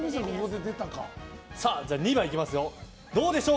２番いきますよ。